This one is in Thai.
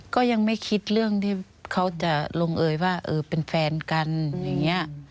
ก็ยังไม่คิดเรื่องที่เขาจะลงเอยว่าเออเป็นแฟนกันอย่างนี้